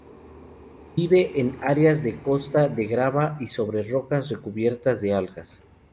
Vive en áreas de costa de grava y sobre rocas recubiertas de algas.